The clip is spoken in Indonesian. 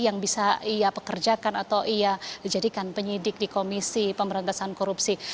yang bisa ia pekerjakan atau ia dijadikan penyidik di komisi pemberantasan korupsi